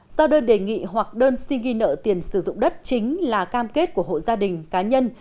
do đơn đề nghị hoặc đơn xin ghi nợ tiền sử dụng đất chính là cam kết của hộ gia đình cá nhân